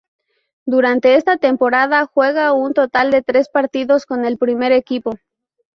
Durante esta temporada juega un total de tres partidos con el primer equipo.